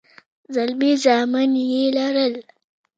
زلمي زامن يې لرل.